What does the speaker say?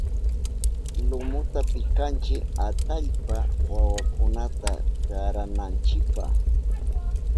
Lumuta pikanchi atallpa wawakunata karananchipa.